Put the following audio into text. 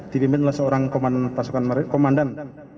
dipimpin oleh seorang pasukan komandan